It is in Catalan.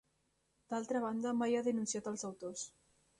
D'altra banda mai ha denunciat els autors.